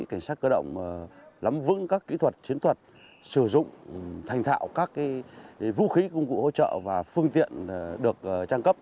cảnh sát cơ động lắm vững các kỹ thuật chiến thuật sử dụng thành thạo các vũ khí công cụ hỗ trợ và phương tiện được trang cấp